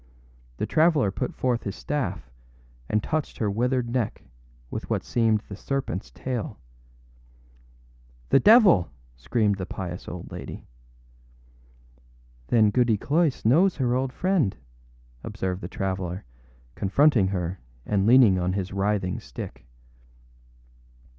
The traveller put forth his staff and touched her withered neck with what seemed the serpentâs tail. âThe devil!â screamed the pious old lady. âThen Goody Cloyse knows her old friend?â observed the traveller, confronting her and leaning on his writhing stick.